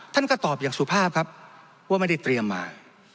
ท่านก็ตอบอย่างสุภาพครับว่าไม่ได้เตรียมมา